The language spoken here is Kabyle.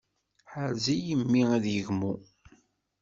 Ḥrez-iyi mmi ad yegmu.